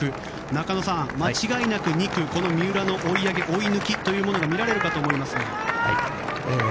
中野さん、間違いなく２区この三浦の追い上げ、追い抜きが見られるかと思いますが。